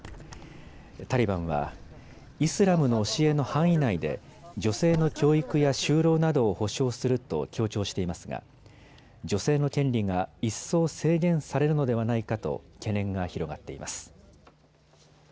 タリバンは、イスラムの教えの範囲内で女性の教育や就労などを保障すると強調していますが女性の権利が一層制限されるのではないかと懸念が広がっています。